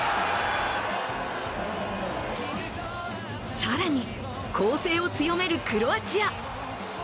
更に、攻勢を強めるクロアチア。